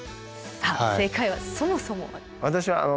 さあ正解はそもそもは？